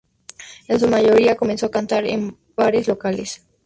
En su mayoría, comenzó a cantar en bares locales.